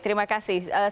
terima kasih mbak putri